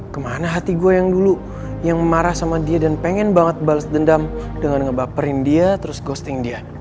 kemana hati gue yang dulu yang marah sama dia dan pengen banget balas dendam dengan ngebaperin dia terus ghosting dia